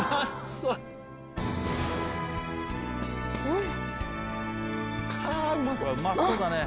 うん。